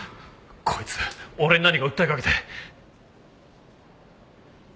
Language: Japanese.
こいつ俺に何か訴えかけて。